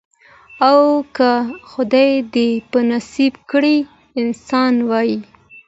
او که خدای دي په نصیب کړی انسان وي